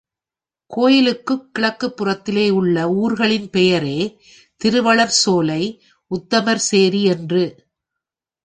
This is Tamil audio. கோயிலுக்குக் கீழ்ப்புறத்திலே உள்ள ஊர்களின் பெயரே, திரு வளர்ச்சோலை, உத்தமர்சேரி என்று.